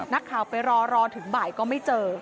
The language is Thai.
นักข่าวไปรอรอถึงบ่ายก็ไม่เจอ